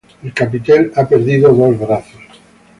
El capitel ha perdido dos brazos.